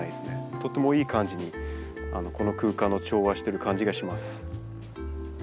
とってもいい感じにこの空間の調和をしてる感じがします。